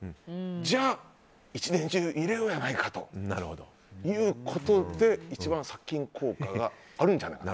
じゃあ、１年中入れようやないかということで一番殺菌効果があるんじゃないか。